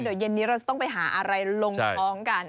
เดี๋ยวเย็นนี้เราจะต้องไปหาอะไรลงท้องกัน